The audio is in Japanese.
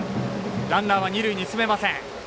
ランナーは二塁に進めません。